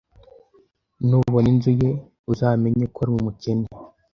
Nubona inzu ye, uzamenye ko ari umukene